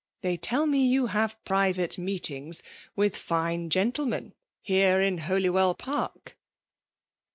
They tell me you hare private meetings mth fine gentlemen here in Holywell Park.''